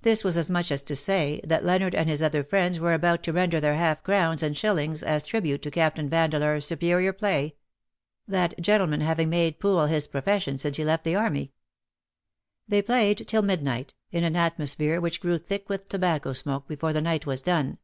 ^^ This was as much as to say, that Leonard and his other friends were about to render their half crowns and shillings as tribute to CaptainVandeleur's superior AU COUP DU PELERIN \" 135 play ; that gentleman having made pool his profession since he left the army. They played till midnight^ in an atmosphere which grew thick with tobacco smoke before the night was done.